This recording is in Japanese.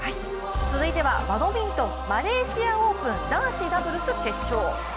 続いてはバドミントンマレーシアオープン男子ダブルス決勝。